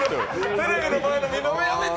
テレビの前のみんなもやめて！